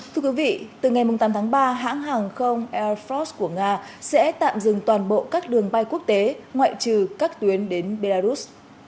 thưa quý vị từ ngày tám tháng ba hãng hàng không air flos của nga sẽ tạm dừng toàn bộ các đường bay quốc tế ngoại trừ các tuyến đến belarus